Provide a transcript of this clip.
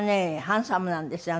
ハンサムなんですよ